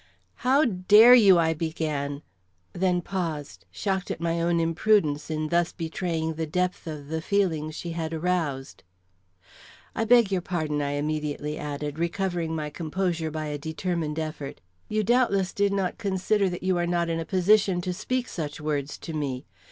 "How dare you " I began, then paused, shocked at my own imprudence in thus betraying the depth of the feelings she had aroused. "I beg your pardon," I immediately added, recovering my composure by a determined effort; "you doubtless did not consider that you are not in a position to speak such words to me.